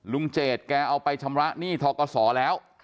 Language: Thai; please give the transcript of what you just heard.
เจดแกเอาไปชำระหนี้ทกศแล้ว